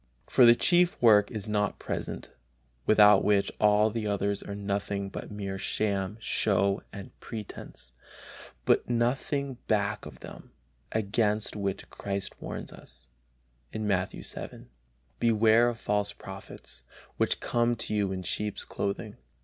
For the chief work is not present, without which all the others are nothing but mere sham, show and pretence, with nothing back of them; against which Christ warns us, Matthew vii: "Beware of false prophets, which come to you in sheep's clothing."